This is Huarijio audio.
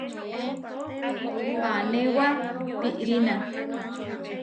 Panéwa piʼrína.